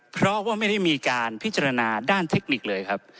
เพราะว่าไม่ได้มีการพิจารณาด้านเทคนิคเลยครับ